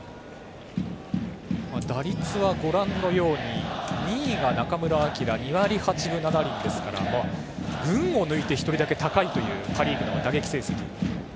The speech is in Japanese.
打率は２位が中村晃２割８分７厘ですから群を抜いて１人だけ高いというパ・リーグの打撃成績。